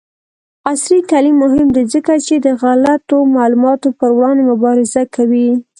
عصري تعلیم مهم دی ځکه چې د غلطو معلوماتو پر وړاندې مبارزه کوي.